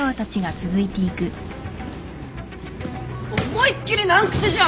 思いっ切り難癖じゃん！